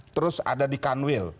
terus ada di kanwil